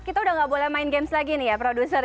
kita udah gak boleh main games lagi nih ya produser